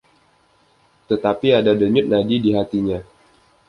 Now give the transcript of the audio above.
Tetapi ada denyut nadi di hatinya.